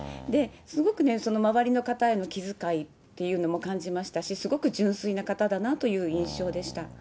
すごくね、周りの方への気遣いっていうのも感じましたし、すごく純粋な方だなという印象でした。